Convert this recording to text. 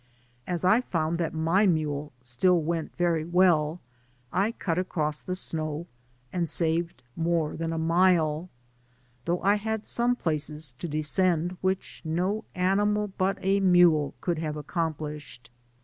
As I found that my mule still went very well, I cut across the snow, and saved more than a mile, though I had some declivities to descend which no animal but a mule could have accomplished.